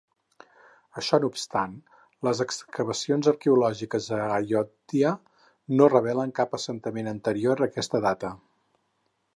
Això no obstant, les excavacions arqueològiques a Ayodhya no revelen cap assentament anterior a aquesta data.